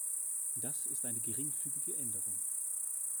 Das ist eine geringfügige Änderung.